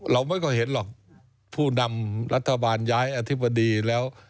เราก็เห็นหรอกผู้นำรัฐบาลย้ายอธิบดีแล้ว